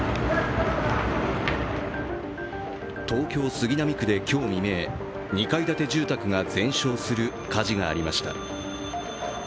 東京・杉並区で今日未明、２階建て住宅が全焼する火事がありました。